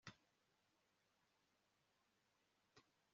muri abo barwayi baba baturutse mu ngo